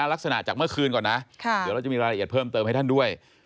ลักษณะจากเมื่อคืนก่อนนะเดี๋ยวเราจะมีรายละเอียดเพิ่มเติมให้ท่านด้วย